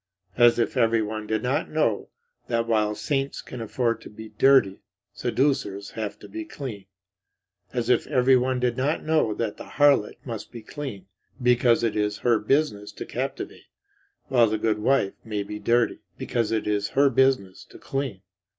As if everyone did not know that while saints can afford to be dirty, seducers have to be clean. As if everyone did not know that the harlot must be clean, because it is her business to captivate, while the good wife may be dirty, because it is her business to clean.